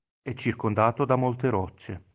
È circondato da molte rocce.